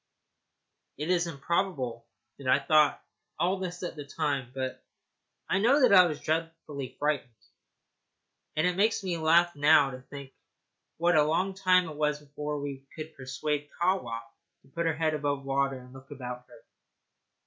It is improbable that I thought of all this at the time, but I know I was dreadfully frightened; and it makes me laugh now to think what a long time it was before we could persuade Kahwa to put her head above water and look about her.